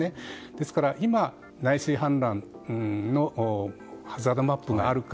ですから今、内水氾濫のハザードマップがあるか。